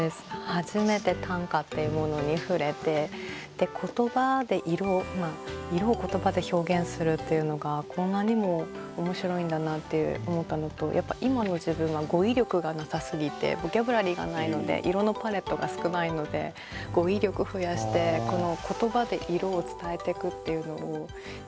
初めて短歌っていうものに触れて言葉で色色を言葉で表現するっていうのがこんなにも面白いんだなって思ったのと今の自分は語彙力がなさすぎてボキャブラリーがないので色のパレットが少ないので語彙力増やして言葉で色を伝えていくっていうのをちょっとやってみたいなって思いました。